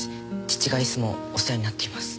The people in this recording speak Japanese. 父がいつもお世話になっています